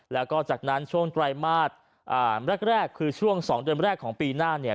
แล้วก็จากนั้นช่วงไตรมาสแรกแรกคือช่วง๒เดือนแรกของปีหน้าเนี่ย